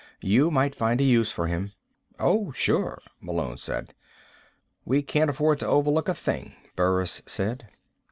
You might find a use for him." "Oh, sure," Malone said. "We can't afford to overlook a thing," Burris said.